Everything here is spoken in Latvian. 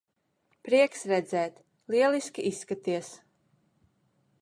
Prieks redzēt. Lieliski izskaties.